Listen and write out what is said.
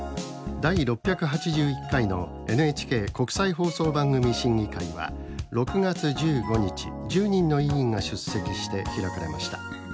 第６８１回のＮＨＫ国際放送番組審議会は６月１５日１０人の委員が出席して開かれました。